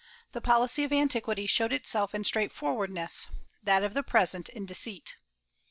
The policy of antiquity showed itself in straightforwardness; that of the present in deceit."